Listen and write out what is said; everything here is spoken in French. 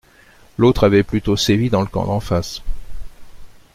L’autre avait plutôt sévi dans le camp d’en face.